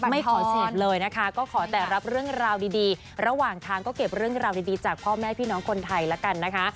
ไม่ขอเสพเลยนะคะก็ขอแต่รับเรื่องราวดีระหว่างทางก็เก็บเรื่องราวดีจากพ่อแม่พี่น้องคนไทยละกันนะคะ